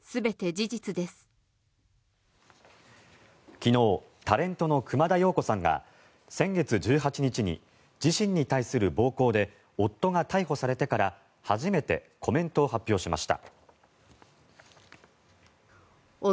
昨日タレントの熊田曜子さんが先月１８日に自身に対する暴行で夫が逮捕されてから初めてコメントを発表しました。